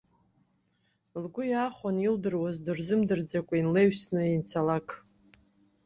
Лгәы иахәон илдыруаз дырзымдырӡакәа иналаҩсны ианцалак.